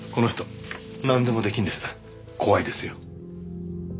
怖いですよ。